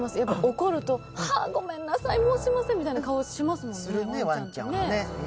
怒ると、ごめんなさい、もうしませんみたいな顔しますもんね、ワンちゃんってね。